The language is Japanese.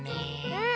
うん。